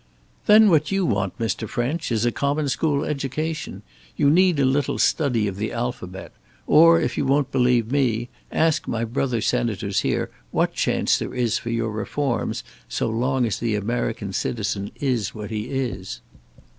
"Then what you want, Mr. French, is a common school education. You need a little study of the alphabet. Or if you won't believe me, ask my brother senators here what chance there is for your Reforms so long as the American citizen is what he is."